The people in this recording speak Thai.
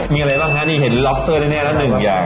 มีอะไรบ้างฮะนี่เห็นล็อกเซอร์แน่แล้วหนึ่งอย่าง